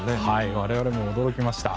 我々も驚きました。